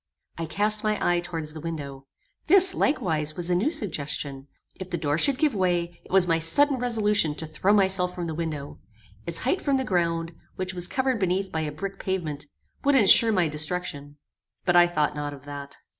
I cast my eye towards the window. This, likewise, was a new suggestion. If the door should give way, it was my sudden resolution to throw myself from the window. Its height from the ground, which was covered beneath by a brick pavement, would insure my destruction; but I thought not of that.